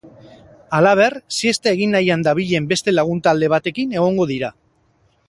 Halaber, siesta egin nahian dabilen beste lagun talde batekin egongo dira.